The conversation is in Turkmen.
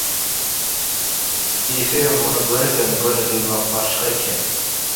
diýsegem muny gönüden-göni duýmak başga eken.